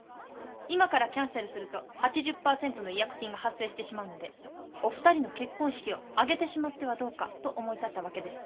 今からキャンセルすると８０％の違約金が発生してしまうのでお二人の結婚式を挙げてしまってはどうかと思い立ったわけです。